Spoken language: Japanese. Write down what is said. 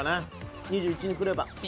２１にくればな。